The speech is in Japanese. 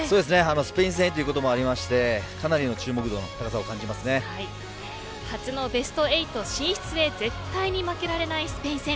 スペイン戦ということもあってかなりの注目度の高さを初のベスト８進出へ絶対に負けられないスペイン戦。